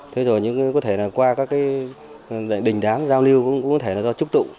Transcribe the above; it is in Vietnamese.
thế rồi có thể là qua các cái đình đám giao lưu cũng có thể là do trúc tụ